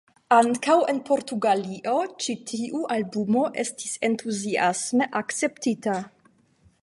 Ankaŭ en Portugalio ĉi tiu albumo estis entuziasme akceptita.